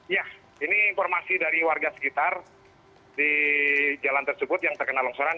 ya ini informasi dari warga sekitar di jalan tersebut yang terkena longsoran